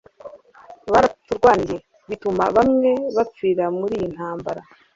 baraturwaniye bituma bamwe bapfira muri iyi ntambara